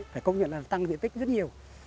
phải công nhận là tăng diện tích rất nhiều